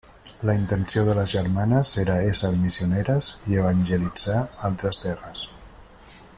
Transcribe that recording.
La intenció de les germanes era ésser missioneres i evangelitzar altres terres.